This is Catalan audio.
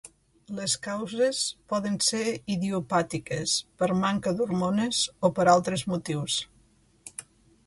Les causes poden ser idiopàtiques, per manca d'hormones o per altres motius.